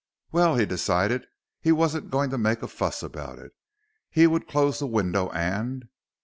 Well, he decided, he wasn't going to make a fuss about it. He would close the window and....